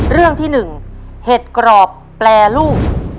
เรื่องที่๑เห็ดกรอบแปรรูป